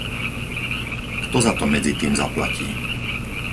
Kto za to medzitým zaplatí?